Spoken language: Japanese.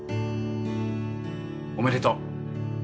おめでとう！